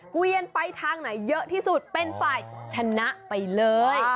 เกวียนไปทางไหนเยอะที่สุดเป็นฝ่ายชนะไปเลย